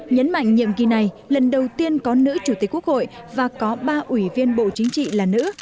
nhấn mạnh nhiệm kỳ này lần đầu tiên có nữ chủ tịch quốc hội và có ba ủy viên bộ chính trị là nữ